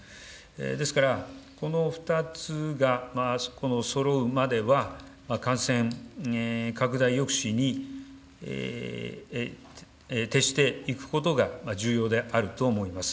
ですから、この２つがそろうまでは、感染拡大抑止に徹していくことが重要であると思います。